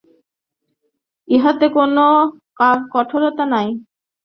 ইহাতে কোন কঠোরতা নাই, জোর করিয়া কিছু ছাড়িতে হয় না।